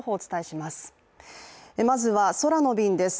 まずは空の便です。